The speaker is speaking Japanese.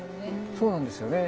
そうなんですよね。